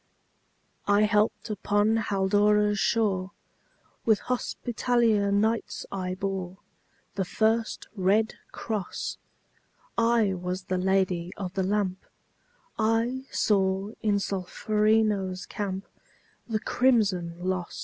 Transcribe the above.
I helped upon Haldora's shore; With Hospitaller Knights I bore The first red cross; I was the Lady of the Lamp; I saw in Solferino's camp The crimson loss.